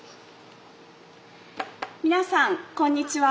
皆さんこんにちは。